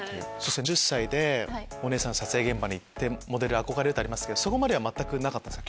１０歳で撮影現場に行ってモデルに憧れるとありますけどそこまでは全くなかったんですか？